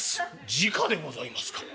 「じかでございますか！